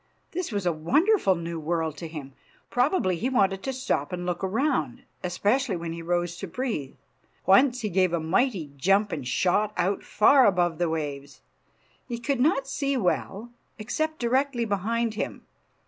This was a wonderful new world to him. Probably he wanted to stop and look around, especially when he rose to breathe. Once he gave a mighty jump and shot out far above the waves. He could not see well, except directly behind him.